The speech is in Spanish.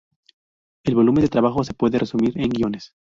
El volumen de trabajo se puede resumir en guiones.